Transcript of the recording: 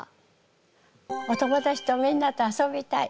お友達とみんなと遊びたい。